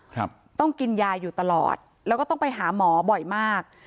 ครับต้องกินยาอยู่ตลอดแล้วก็ต้องไปหาหมอบ่อยมาก